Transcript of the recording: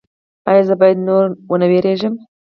ایا زه به نور نه ویریږم؟